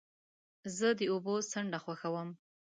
زه د اوبو څنډه خوښوم.